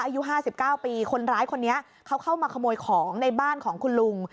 อายุ๕๙ปีคนร้ายคนนี้เขาเข้ามาขโมยของในบ้านของคุณลุง